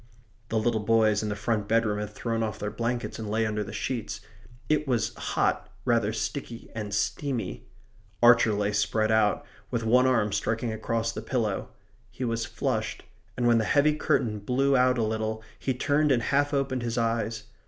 The little boys in the front bedroom had thrown off their blankets and lay under the sheets. It was hot; rather sticky and steamy. Archer lay spread out, with one arm striking across the pillow. He was flushed; and when the heavy curtain blew out a little he turned and half opened his eyes.